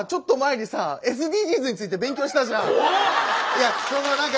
いやその何か。